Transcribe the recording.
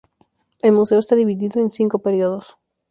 El museo está dividido en cinco periodos.